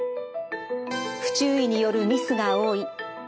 不注意によるミスが多い。